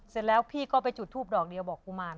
เสร็จแล้วพี่ก็ไปจุดทูปดอกเดียวบอกกุมาร